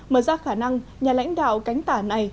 mở ra khả năng nhà lãnh đạo cánh tả này